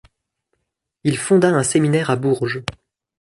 Il fonda un séminaire à Bourges.